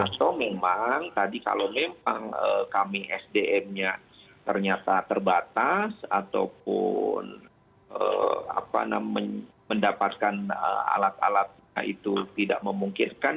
atau memang tadi kalau memang kami sdm nya ternyata terbatas ataupun mendapatkan alat alat itu tidak memungkinkan